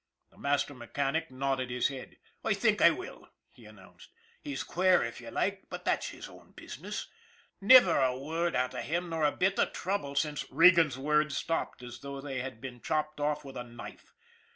The master mechanic nodded his head. " I think I will," he announced. " He's queer if you like, but that's his own business. Never a word out of him nor a bit of trouble since " Regan's words stopped as though they had been chopped off with a knife.